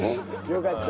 よかった。